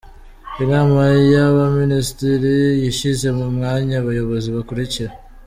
Inama y’Abaminisitiri yashyize mu myanya abayobozi bakurikira :.